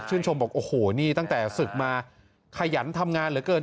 ชมบอกโอ้โหนี่ตั้งแต่ศึกมาขยันทำงานเหลือเกิน